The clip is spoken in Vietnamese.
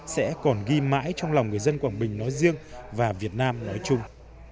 sẽ còn ghi mãi trong lòng người dân quảng bình nói riêng và việt nam nói chung